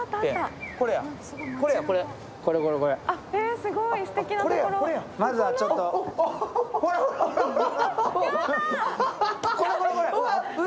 すごいすてきなところ。